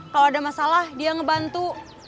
kalau ada masalah dia ngebantu